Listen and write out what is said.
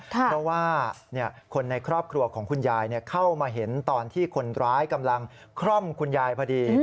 เพราะว่าคนในครอบครัวของคุณยายเข้ามาเห็นตอนที่คนร้ายกำลังคร่อมคุณยายพอดี